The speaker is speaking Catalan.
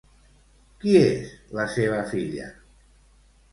Qui és la seva filla?